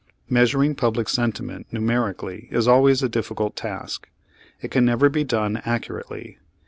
Measuring public sentiment numerically is al ways a difficult task. It can never be done ac curately.